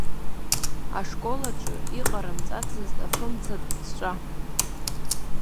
Ашкол аҿы иҟарымҵацызт афымцатә ҵәҵәа.